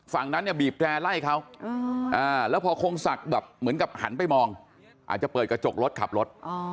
ฝั่งนั้นเนี่ยบีบแร่ไล่เขาแล้วพอคงศักดิ์แบบเหมือนกับหันไปมองอาจจะเปิดกระจกรถขับรถ